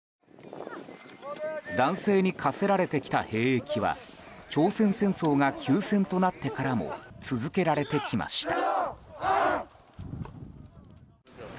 男性に課せられてきた兵役は朝鮮戦争が休戦となってからも続けられてきました。